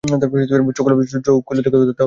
চোখ খুলে দেখ তাহলে সত্য দেখতে পাবে।